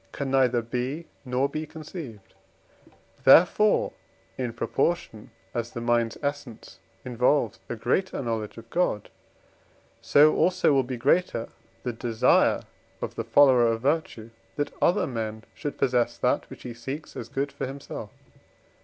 can neither be, nor be conceived; therefore, in proportion as the mind's essence involves a greater knowledge of God, so also will be greater the desire of the follower of virtue, that other men should possess that which he seeks as good for himself.